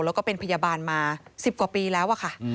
แล้วก็เป็นพยาบาลมา๑๐กว่าปีแล้วอะค่ะ